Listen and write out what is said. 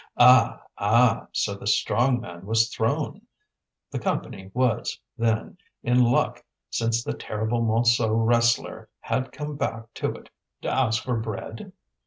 Ah! ah! so the strong man was thrown? The Company was, then, in luck since the terrible Montsou wrestler had come back to it to ask for bread?